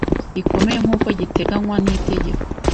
rikomeye nk uko giteganywa n itegeko